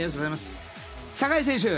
酒井選手